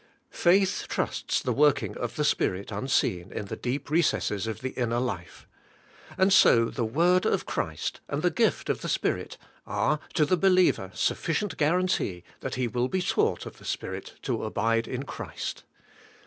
Faith trusts the working of the Spirit unseen in the deep recesses of the inner life. And so the word of Christ and the gift of the Spirit are to the believer sufficient guarantee that He will be taught of the Spirit to abide in Christ.